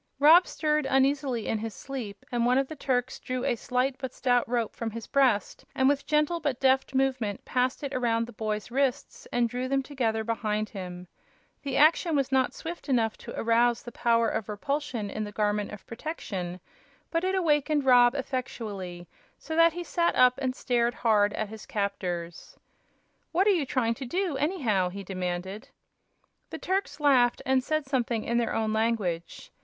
Rob stirred uneasily in his sleep, and one of the Turks drew a slight but stout rope from his breast and with gentle but deft movement passed it around the boy's wrists and drew them together behind him. The action was not swift enough to arouse the power of repulsion in the Garment of Protection, but it awakened Rob effectually, so that he sat up and stared hard at his captors. "What are you trying to do, anyhow?" he demanded. The Turks laughed and said something in their own language.